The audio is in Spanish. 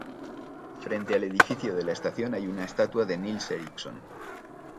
Frente al edificio de la estación hay una estatua de Nils Ericson.